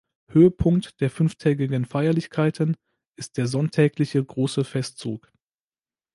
Höhepunkt der fünftägigen Feierlichkeiten ist der sonntägliche große Festzug.